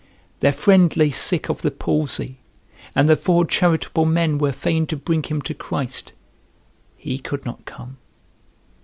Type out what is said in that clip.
Their friend lay sick of the palsy, and the four charitable men were fain to bring him to Christ; he could not come.